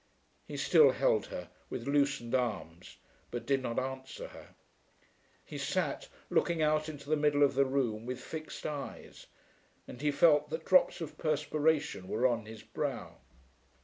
He still held her with loosened arms but did not answer her. He sat, looking out into the middle of the room with fixed eyes, and he felt that drops of perspiration were on his brow.